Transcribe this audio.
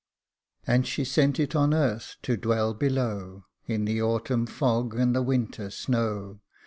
And she sent it on earth, to dwell below In the autumn fog and the winter snow.